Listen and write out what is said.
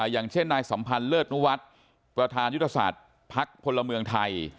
อย่างเช่นนายสัมพันธ์เลิศนุวัฒน์ประธานยุทธศาสตร์พักพลเมืองไทย